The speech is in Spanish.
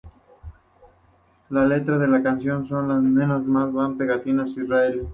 La letra de la canción son lemas que se ven en pegatinas israelíes.